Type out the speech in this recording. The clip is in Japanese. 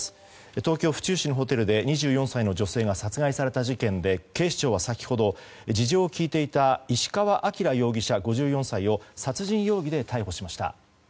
東京・府中市のホテルで２４歳の女性が殺害された事件で警視庁は先ほど事情を聴いていた石川晃容疑者、５４歳を殺人容疑で逮捕しました。